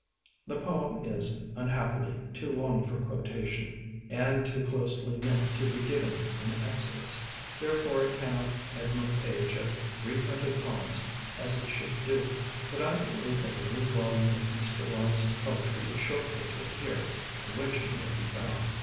The poem is, un happily, too long for quotation, and too closely knit to be given in excerpts, therefore it cannot head my page of reprinted poems as it should do, but I believe that a new volume of Mr. Law rence's poetry is shortly to appear in which it may be found.